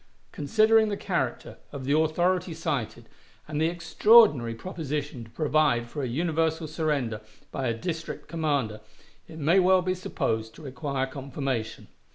Considering the character of the authority cited, and the extraordinary proposition to provide for a universal surrender by a district commander, it may be well supposed to require confirmation.